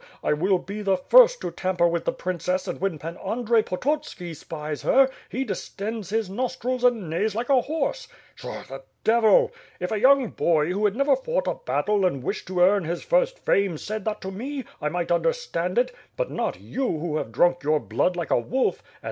I will be the first to tamper with the princess and when Pan Audrey Potot ski spies her, he distends his nostrils and neighs like a horse. Pshaw! The devil! If a young boy, who had never fought a battle and wished to earn his first fame, said that to me, I might understand it; but not you who have drunk your blood like a wolf and.